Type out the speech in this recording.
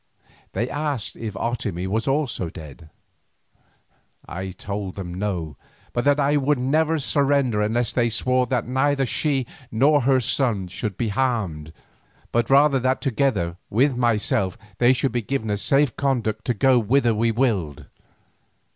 They asked if Otomie was also dead. I told them no, but that I would never surrender unless they swore that neither she nor her son should be harmed, but rather that together with myself they should be given a safe conduct to go whither we willed.